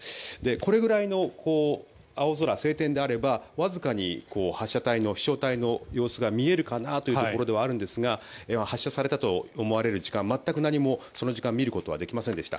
これぐらいの青空、晴天であればわずかに飛翔体の様子が見えるかなというところではあるんですが発射されたと思われる時間全く何もその時間見ることはできませんでした。